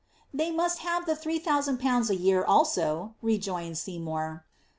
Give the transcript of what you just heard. ^ They must have the three thousand pounds a year also," rejoined Seymour.